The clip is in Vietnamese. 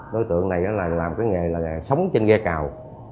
đối tượng này làm nghề là sống trên ghe cào